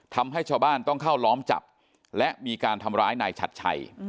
ทำให้ชาวบ้านต้องเข้าล้อมจับและมีการทำร้ายนายฉัดชัย